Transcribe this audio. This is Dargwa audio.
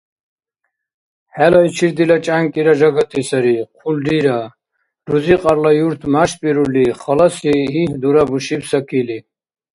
– ХӀелайчир дила чӀянкӀира жагати сари, хъулрира, – рузикьарла юрт мяштӀбирули, халаси гьигь дурабушиб Сакили.